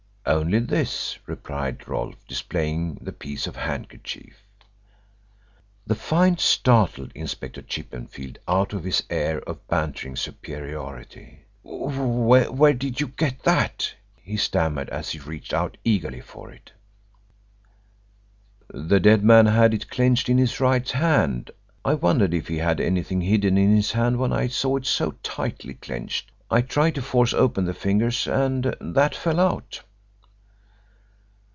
"Only this," replied Rolfe, displaying the piece of handkerchief. The find startled Inspector Chippenfield out of his air of bantering superiority. "Where did you get that?" he stammered, as he reached out eagerly for it. "The dead man had it clenched in his right hand. I wondered if he had anything hidden in his hand when I saw it so tightly clenched. I tried to force open the fingers and that fell out."